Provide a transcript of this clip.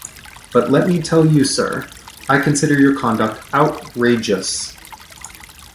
But let me tell you, sir, I consider your conduct outrageous!